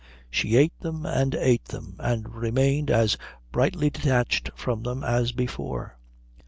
She ate them and ate them, and remained as brightly detached from them as before.